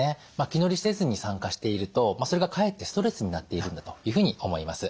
気乗りせずに参加しているとそれがかえってストレスになっているんだというふうに思います。